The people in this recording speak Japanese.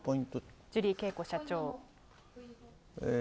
藤島ジュリー景子社長。